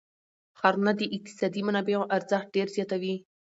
ښارونه د اقتصادي منابعو ارزښت ډېر زیاتوي.